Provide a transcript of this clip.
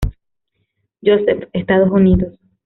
Joseph, Estados Unidos.